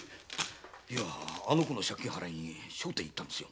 あの子の借金払いに聖天へ行ったんですよ。